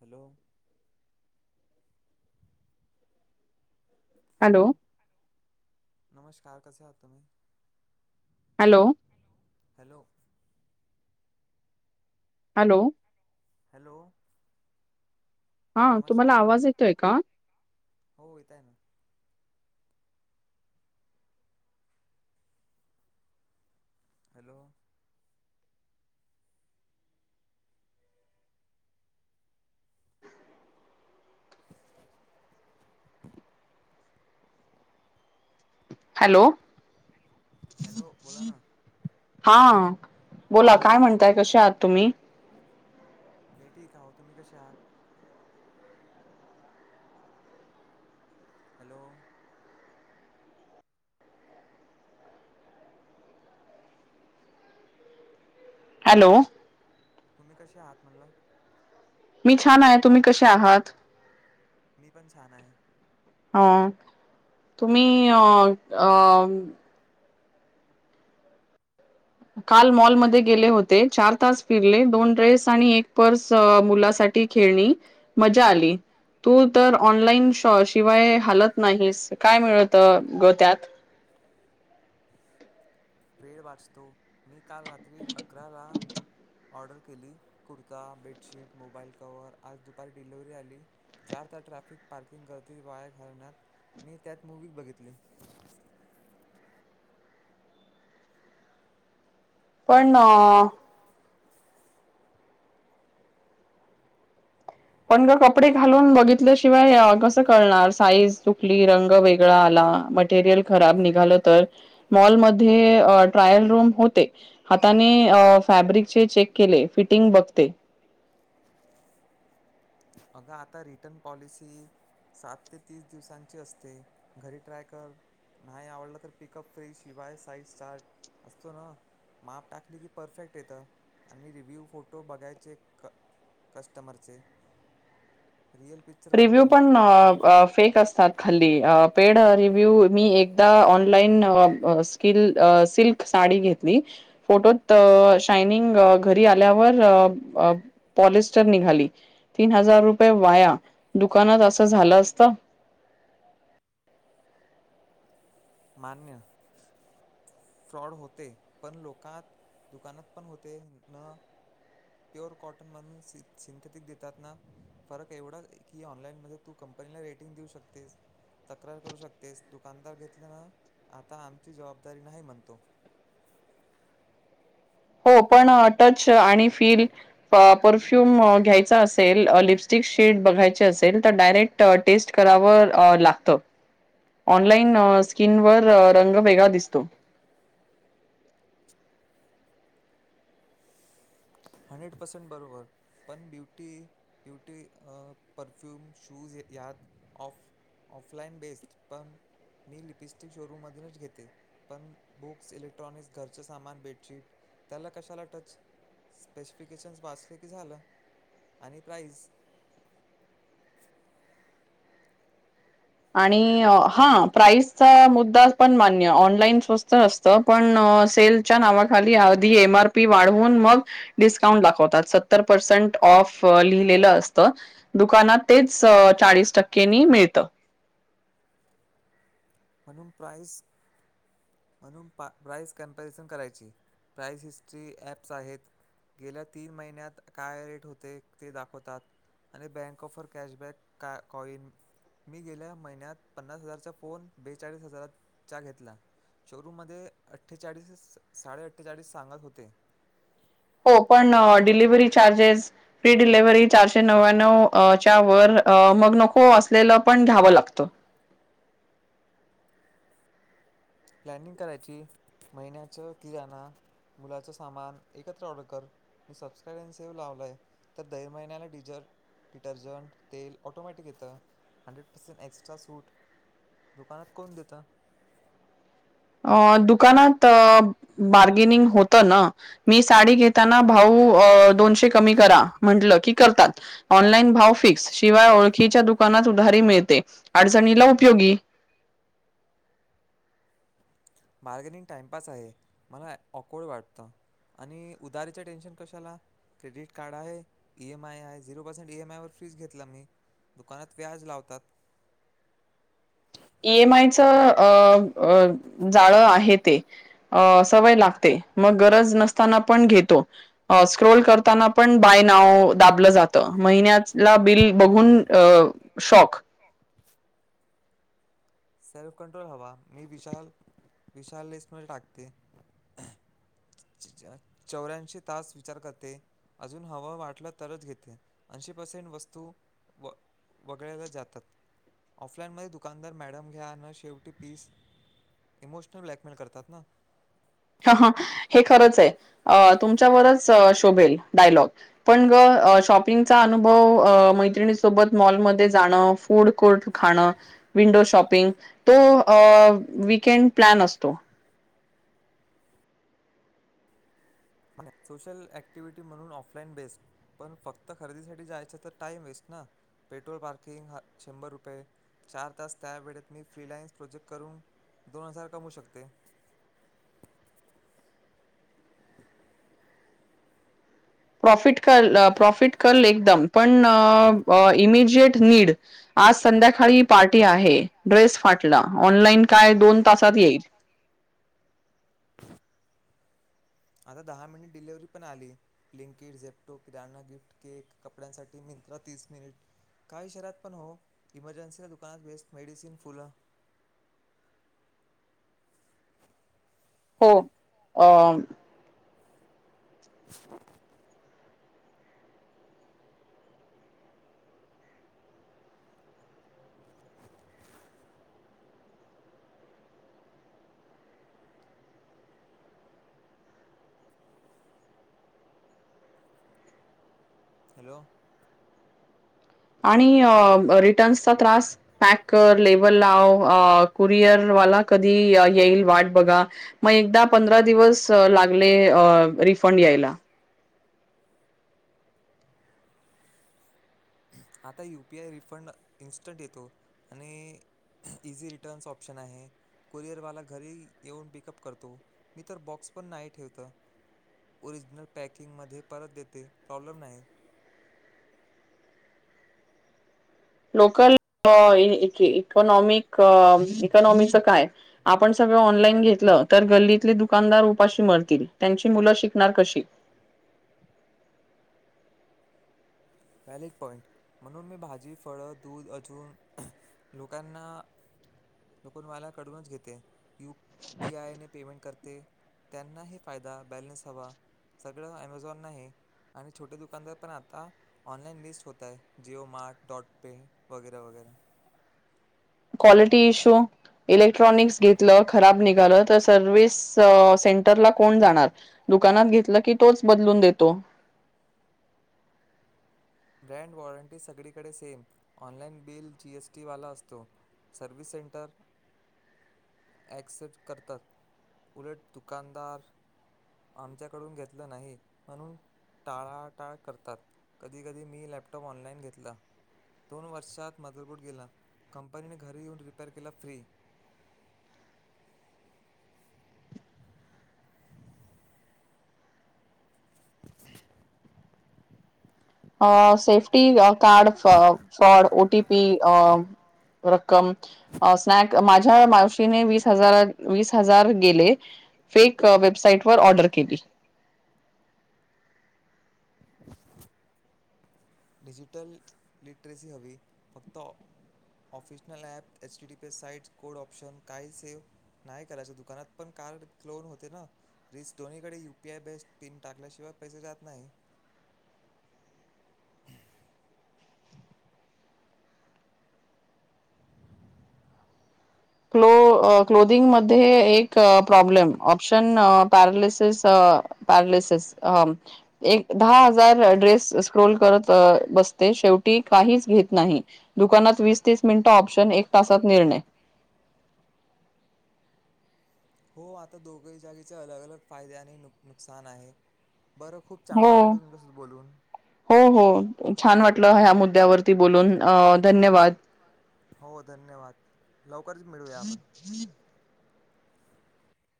Hello [inaudible] hello, नमस्कार कसे आहात तुम्ही. हॅलो हॅलो, हॅलो, हॅलो, हा तुम्हाला नमस्कार आवाज येतोय का? हो येत आहे ना हॅलो, हॅलो, हॅलो, बोला ना. हा बोला, काय म्हणताय कसे आहात तुम्ही? मी ठीक आहो, तुम्ही कसे आहात? हॅलो. हॅलो, तुम्ही कसे आहात म्हटल? मी छान आहे तुम्ही कशे आहात. मी पण छान आहे. हा तुम्ही अ अ काल मॉलमध्ये गेले होते चार तास फिरले दोन ड्रेस आणि एक पर्स मुलासाठी ती खेळणी मजा आली तू तर ऑनलाईन शॉ शिवाय हलत नाहीस काय मिळत ग त्यात [inaudible] वेळ वाचतो मी काल रात्री अकरा ला ऑर्डर केली कुर्ता बेडशीट मोबाईल कवर आज दुपारी डिलिव्हरी आली. चार ता ट्रॅफिक पार्किंग गर्दी वाया घालण्यात मी त्यात मूवी बघितली पण अं पण ग कपडे घालून बघितल्याशिवाय अं कस कळणार साईज कुठली रंग वेगळा आला अ मटेरियल खराब निघाल तर मॉल मध्ये अं ट्रायल रूम होते. त्याने फॅब्रिक चे चेक केले फिटिंग बघते. अग आता रिटर्न पॉलिसी सात ते तीस दिवसांची असते घरी ट्राय कर. नाही आवडलं तर पिकअप फ्री शिवाय साईस स्टार्ट असतो ना माप टाकली की परफेक्ट येतं आणि रिव्ह्यू फोटो बघायचे क कस्टमरचे रिअल पिक्चर रिव्ह्यू कळतं पण अं अ फेक असतात. खाल्ली अं पेड रिव्हिव्ह मी एकदा ऑनलाईन आ स्किल अ सिल्क सा साडी घेतली फोटोत अं शायनिंग घरी आल्यावर आ पोलि स्टर निघाली तीन हजार रुपय वाया दुकानात असं झालं असत. मान्य फ्रॉड होते पण लोकात दुकानात पण होते न प्युअर कॉटन मधून सि सिंथेथिक देतात ना फरक एवढा की ऑनलाइन मध्ये तू क कंपनीला रेटिंग देऊ शकतेस. तक्रार करू शकतेस दुकानदार घेतल ना आता आमची जबाबदारी नाही म्हण तो हो पण टच आणि फील प परफ्युम घ्यायचा असेल लिपस्टिक शेड बघ बघायची असेल तर डायरेक् टेस्ट कराव अं लागत. ऑनलाइन स्किनवर रंग वेगळा दिसतो. [inaudible] हंड्रेड पर्सेंट बरोबर पण ब्युटी-ब्युटी परफ्यम शूज हे यात ऑफ-ऑफलाईन बेस्ट पण मी लिपिस्टिक शोरूम मधूनच घेते पण बुक्स, इलेक्ट्रॉनिक्स घरचे सामान, बेडशीट त्याला कशाला टच स्पेसिफिकेशन्स वाचले की झालं आणि प्राईज आणि हा प्राईजचा मुद्दा पण मान्य ऑनलाईन स्वस्त असत पण सेलच्या नावाखाली आधी एम आर पी वाढवून मग डिस्काउंट दाखवतात सत्तर पर्सेंट ऑफ लिहिलेलं असत दुकानात तेच चाळीस टक्केंनी मिळत. म्हणून प्राइज म्हणून प्राइज कंपॅरिझन करायची प्राइज हिस्ट्री ॲप्स आहेत. गेल्या तीन महिन्यात काय रेट होते ते दाखवतात. आणि बँक ऑफर कॅशबॅक का-कॉइन मी गेल्या महिन्यात पन्नास हजारचा फोन बेचाळीस हजारात चा घेतला. शोरूम मध्ये अठ्ठेचाळीस, साडे अठ्ठेचाळीस सांगत होते. हो पण डिलिव्हरी चार्जेस, फ्री डिलव्हरी चारशे नव्या्नव च्या वर मग नको असलेलं पण घ्यावं लागत. प्लॅनिंग करायची. महिन्याच किराणा, मुलाच सामान एकत्र ऑर्डर कर. मी सबस्क्रान सेव लावलय तर दर महिन्याला डिजर डिटर्जंट, तेल ऑटोमॅटिक येतं हंड्रेड पर्सेंट एक्स्ट्रा सूट दुकानात कोण देत? अ... दुकानात बार्गेनिंग होतं ना मी साडी घेताना भाऊ अं दोनशे कमी करा म्हटल की करतात ऑनलाईन भाव फिक्स, शिवाय ओळखीच्या दुकानात उधारी मिळते अडचणीला उपयोगी. बार्गेनिंग टाइमपास आहे मला ऑकवर्ड वाटतं. आणि उधारीचा टेन्शन कशाला क्रेडिट कार्ड आहे, ईएम आय आहे झिरो पर्सेंट ईम आय वर फीज घेतला मी. दुकानात व्याज लावतात. [inaudible] ई एमं आयच जाळं आहे ते सवय लागते. मग गरज नसताना पण घेतो स्क्रोल करताना पण बाय नाव दाबल जात. महिन्याला बिल बघून अं शॉक. सेल्फ कंट्रोल हवा मी विशाल-विशाल लेस्ट मध्ये टाकते. [inaudible] चौऱ्यांशी तास विचार करते अजून हव वाटला तरच घेते ऐंशी पसेंट वस्तू व [inaudible] वगळल्या जातात ऑफलाईनमध्ये दुकानदार मॅडम घ्या म शेवटी पीस इमोशनल ब्लॅकमेल करतात ना? हं हं हे खरंच आहे तुमच्यावरच शोभेल डायलॉग पण ग शॉपिंगचा अनुभव मैत्रिणीसोबत मॉलमध्ये जाणं, फूड कोर्ट खाणं विंडो शॉपिंग तो अं विकेन्ट प्लॅन असतो. सोशल ऍक्टिव्हटी म्हणून ऑफलाईन बेस्ट पण फक्त खरेदीसाठी जायच तर टाइम वेस्ट ना. पेट्रोल पार्किंग शंभर रुपये चार तास त्या वेळेत मी फिलायन्स प्रोजेक्ट करून दोन हजार कमऊ शकते. [inaudible] प्रॉफिट कल प्रॉफिट कल एकदम पण अं इमिजिट नीड आज संध्याकाळी पार्टी आहे ड्रेस फाटला ऑनलाईन काय दोन तासात येईल आता दहा मिनिट डिलिव्हरी पण आली लिंकिड झेपटो किराना गिफ्ट केक कपड्यांसाठी मिन्त्रा तीस मिनिट काही शहरात पण हो इमर्जन्सीच्या दुकानात बेस मेडिसिन फुलं [inaudible] हो अं [inaudible] हॅलो आणि रिटन्सचा त्रास पॅक कर लेबल लाव अं कुरिअर वाला कधी येईल वाट बघा मग एकदा पंधरा दिवस लागले अं रिफंड यायला. आता यूपीआय रिफंड इन्स्टंट येतो आणि इझी रिटन्स ऑप्शन आहे. कुरिअरवाला घरी येऊन पिकअप करतो मी तर बॉक्स पण नाही ठेवतं ओरिजिनल पॅकिंगमध्ये परत देते प्रॉब्लेम नाही. [inaudible] लोकल अं इ इक इकनॉमिक इकॉनॉमीच काय आपण स ऑनलाईन घेतलं तर गल्लीतली दुकानदार उपाशी मरतील त्यांची मुलं शिकणार कशी [inaudible] वॅलिक पॉइंट, म्हणून मी भाजी फळं दूध अजून लोकांना [unintelligible] कडूनच घेते यू पी आयने पेमेंट करते. त्यांनाही फायदा, बॅलेन्स हवा. सगळं अमेझॉन नाही आणि छोटे दुकानदार पण आता ऑनलाइन मिस्ड होताय जिओ मार्ट, डॉट पे वगैरे वगैरे. Quality issue. इलेक्ट्रॉनिकस् घेतलं खराब निघालं तर सर्विस अ सेंटरला कोण जाणार? दुकानात घेतलं की तोच बदलून देतो. ब्रँड वॉरंटी सगळीकडे सेम ऑनलाइन बिल जीएसटीवाला असतो. सर्विस सेंटर - - ॲक्सेप्ट करतात. उलट दुकानदार - - आमच्याकडून घेतलं नाही म्हणून टाळाटाळ करतात. कधी कधी मी लॅपटॉप ऑनलाइन घेतला. दोन वर्षत मदरबोट गेला. कंपनीने घरी येऊन रिपेअर केला फ्री. अ सेफ्टी कार्ड फ फॉड ओ टी पी अ रक्कम स्नॅक माझ्या मावशीने वीस हजार वीस हजार गेले. फेक वेबसाईटवर ऑर्डर केली. डिजिटल लिटरसी हवी. फक्त - - official app, STD pay site, code option, काइच सेव्ह नाही करायच, दुकानात पण काय [unintelligible] होते ना. रिस दोनीकडे यूपीआय बेस्ट पिन टाकल्याशिवाय पैसे जात नाही. [inaudible] क्लो क्लोदिंग मध्ये, एक प्रॉब्लेम ऑप्शन पॅरालिसिस आ पॅरिलिसेस, एक दहा-हजार ड्रेस स्क्रोल करत बसते. शेवटी काहीच घेत नाही, दुकानात वीस-तीस मिनिट ऑप्शन एक तासात निर्णय. हो आता दोघही जागेचे अलग-अलग फायदे आणि नुकसान आहे. बरं खूप हो चांगल वाटत तुमच्याशी बोलून. हो, हो छान वाटलं ह्या मुद्द्यावरती बोलून अ धन्यवाद. हो धन्यवाद लवकरच मिळूया आपण.